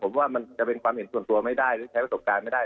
ผมว่ามันจะเป็นความเห็นส่วนตัวไม่ได้หรือใช้ประสบการณ์ไม่ได้